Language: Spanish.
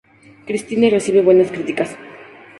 Christine recibe buenas críticas.